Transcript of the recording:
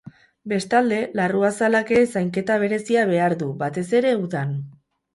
Bestalde, larruazalak ere zainketa berezia behar du, batez ere udan.